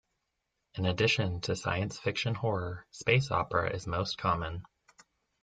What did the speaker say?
In addition to science fiction horror, space opera is most common.